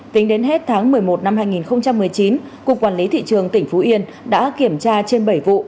tính đến hết tháng một mươi một năm hai nghìn một mươi chín cục quản lý thị trường tỉnh phú yên đã kiểm tra trên bảy vụ